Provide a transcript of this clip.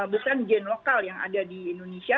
besar gen lokal yang ada di indonesia